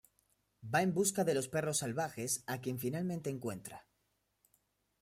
Va en busca de los perros salvajes, a quien finalmente encuentra.